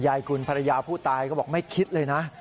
คุณภรรยาผู้ตายก็บอกไม่คิดเลยนะ